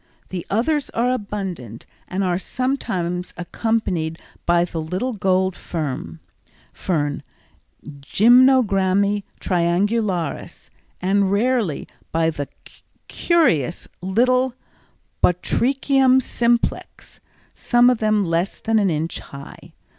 The others are abundant and are sometimes accompanied by the little gold fern, Gymnogramme triangularis, and rarely by the curious little Botrychium simplex, some of them less than an inch high.